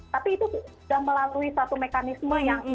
tapi itu sudah melalui satu mekanisme yang